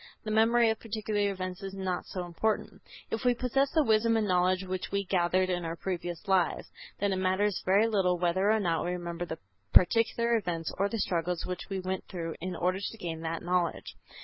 The memory of particular events is not so important. If we possess the wisdom and knowledge which we gathered in our previous lives, then it matters very little whether or not we remember the particular events, or the struggles which we went through in order to gain that knowledge.